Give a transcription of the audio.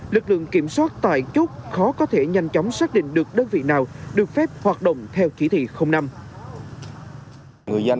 lực lượng kiểm soát tại chốt khó có thể nhanh chóng xác định được đơn vị nào được phép hoạt động theo chỉ thị năm